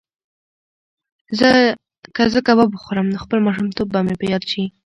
که زه کباب وخورم نو خپل ماشومتوب به مې په یاد شي.